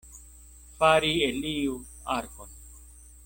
Fari el iu arkon.